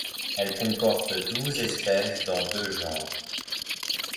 Elle comporte douze espèces dans deux genres.